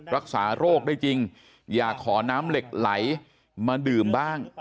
รักษาโรคได้จริงอยากขอน้ำเหล็กไหลมาดื่มบ้าง